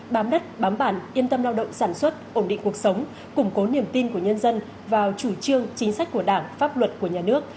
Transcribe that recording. bám đất bám bản yên tâm lao động sản xuất ổn định cuộc sống củng cố niềm tin của nhân dân vào chủ trương chính sách của đảng pháp luật của nhà nước